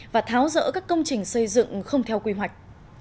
và tháo rỡ các công trình xây dựng không theo quy hoạch